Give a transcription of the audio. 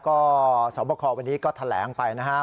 ก็สาวบัคคลวันนี้ก็แถลงไปนะฮะ